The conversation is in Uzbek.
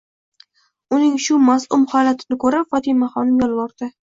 Uning shu mas'um holatini ko'rib Fotimaxonim yolvordi.